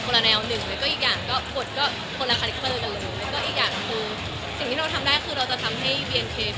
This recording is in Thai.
หรือว่าเราก็เรียกหัวใจของจริง